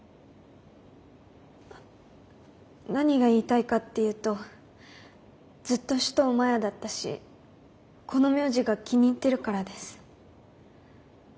何が言いたいかっていうとずっと首藤マヤだったしこの名字が気に入ってるからです。